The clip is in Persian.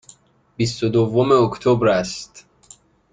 بیست و دوم اکتبر است.